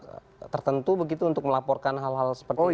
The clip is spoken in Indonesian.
atau kontak tertentu begitu untuk melaporkan hal hal seperti itu